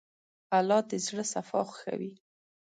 الله د زړه صفا خوښوي.